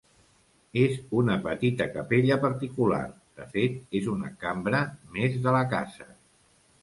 És una petita capella particular; de fet, és una cambra més de la casa.